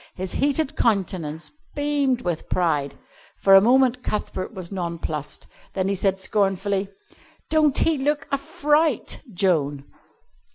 His heated countenance beamed with pride. For a moment Cuthbert was nonplussed. Then he said scornfully: "Don't he look a fright, Joan?"